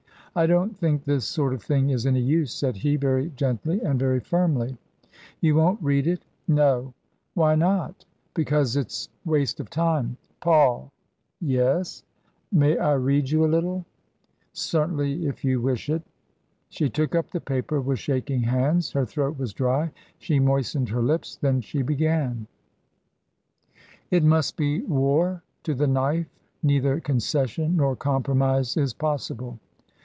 " I don't think this sort of thing is any use," said he, very gently and very firmly. " You won't read it ?"" No." " Why not ?"" Because it's waste of time." '< Paul "" Yes ?"" May I read you a little ?"" Certainly. If you wish it." She took up the paper with shaking hands. Her throat was dry, she moistened her lips. Then she began :"* It must be war to the knife, neither concession nor compromise is possible.